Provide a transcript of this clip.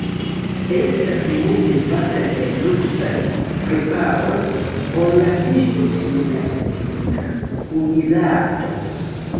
Estas multe vastaj kaj luksaj preparoj por la fiŝo en la ĉina kuirarto.